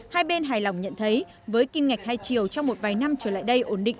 hai bên hài lòng nhận thấy với kim ngạch hai triệu trong một vài năm trở lại đây ổn định